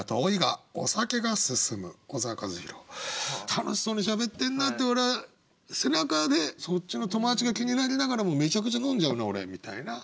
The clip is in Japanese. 楽しそうにしゃべってんなって俺は背中でそっちの友達が気になりながらもめちゃくちゃ飲んじゃうな俺みたいな。